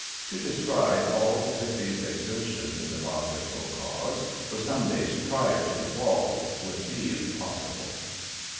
To describe all Spiffy's exertions in the Bodwinkle cause for some days prior to the ball would be impossible.